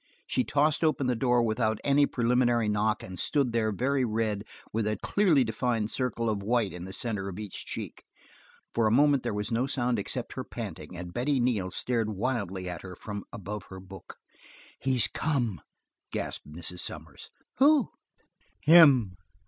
She tossed open the door without any preliminary knock and stood there very red with a clearly defined circle of white in the center of each check. For a moment there was no sound except her panting and Betty Neal stared wildly at her from above her book. "He's come!" gasped Mrs. Sommers. "Who?" "Him!"